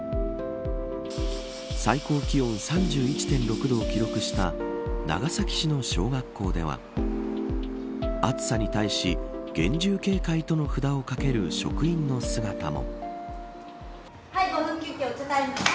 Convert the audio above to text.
最高気温３１．６度を記録した長崎市の小学校では暑さに対し厳重警戒との札をかける職員の姿も。